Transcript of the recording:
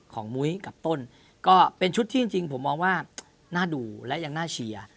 มุ้ยกับต้นก็เป็นชุดที่จริงผมมองว่าน่าดูและยังน่าเชียร์